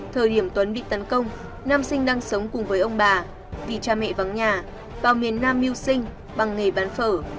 thời điểm tuấn bị tấn công nam sinh đang sống cùng với ông bà vì cha mẹ vắng nhà vào miền nam mưu sinh bằng nghề bán phở